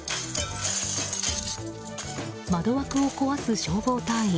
窓枠を壊す消防隊員。